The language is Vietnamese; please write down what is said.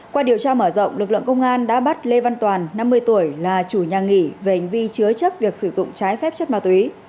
qua điều tra mở rộng lực lượng công an đã bắt lê văn toàn năm mươi tuổi là chủ nhà nghỉ về hành vi chứa chấp việc sử dụng trái phép chất ma túy